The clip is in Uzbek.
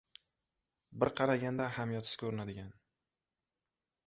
Bir qaraganda ahamiyatsiz koʻrinadigan